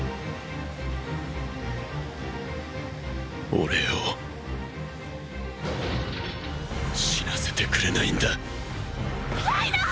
俺を死なせてくれないんだライナー！！